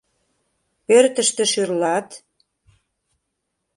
Пӧртыштӧ шӱрлат...